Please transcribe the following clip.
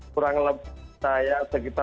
kurang lebih saya sekitar